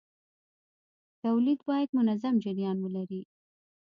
تولید باید منظم جریان ولري.